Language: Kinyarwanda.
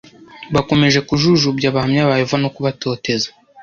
Bakomeje kujujubya Abahamya ba Yehova no kubatoteza